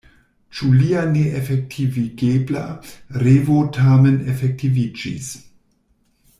Ĉu lia neefektivigebla revo tamen efektiviĝis?